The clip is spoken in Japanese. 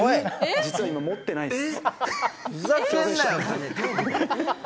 実は今、持ってないんです。